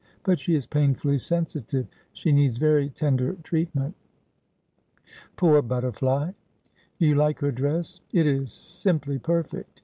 'But she is painfully sensitive. She needs very tender treatment.' ' Poor butterfly !'' Do you like her dress ?'' It is simply perfect.